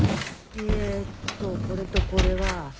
えっとこれとこれは。